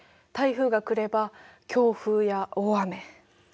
台風が来れば強風や大雨。